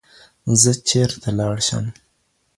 زه چېرته لاړشم